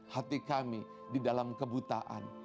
hati kami di dalam kebutaan